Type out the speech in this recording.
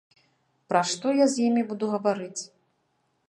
Пра што я з імі буду гаварыць?